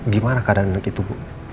gimana keadaan anak itu bu